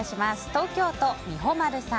東京都の方。